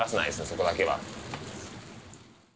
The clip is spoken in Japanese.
そこだけは。